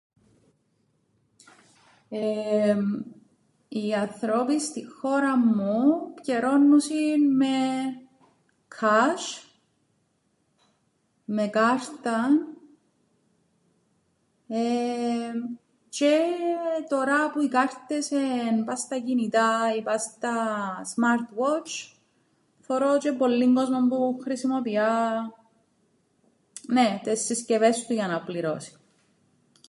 Εεεμ, οι ανθρώποι στην χώραν μου πκιερώννουσιν με cash, με κάρταν τζ̆αι τωρά που οι κάρτες εν' πά' στα κινητά ή πά' στα smart watch θωρώ τζ̆αι πολλύν κόσμον που χρησιμοποιά, νναι, τες συσκευές του για να πληρώσει.